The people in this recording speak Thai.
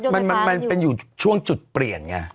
เพราะมันมันมันมันเป็นอยู่ช่วงจุดเปลี่ยนไง